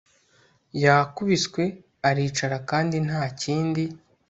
yakubiswe, aricara, kandi ntakindi